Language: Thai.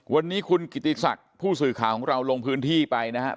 วันนี้คุณกิติศักดิ์ผู้สื่อข่าวของเราลงพื้นที่ไปนะครับ